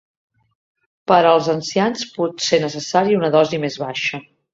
Per als ancians pot ser necessària una dosi més baixa.